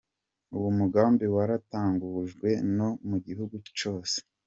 Uwu mugambi waratangujwe no mu gihugu cose.